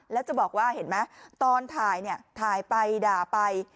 แล้วจะบอกว่าเห็นไหมตอนถ่ายเนี่ยถ่ายไปด่าไป